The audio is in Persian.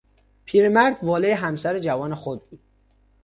پیرمرد والهی همسر جوان خود بود.